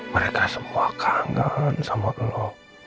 mereka semua kangen sama allah